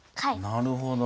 なるほど。